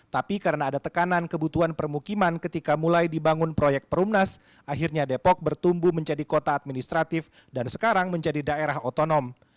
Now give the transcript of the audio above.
tapi karena ada tekanan kebutuhan permukiman ketika mulai dibangun proyek perumnas akhirnya depok bertumbuh menjadi kota administratif dan sekarang menjadi daerah otonom